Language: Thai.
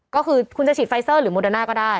ก็คือคุณจะฉีดไฟซัรโมเดอร์น่าก็ได้